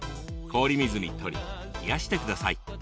氷水に取り、冷やしてください。